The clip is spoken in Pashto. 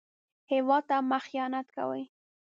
هېواد ته مه خيانت کوئ